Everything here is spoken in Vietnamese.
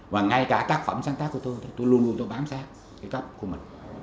và ngay cả các phẩm sáng tác của tôi tôi luôn luôn tôi bám sát cái cấp của mình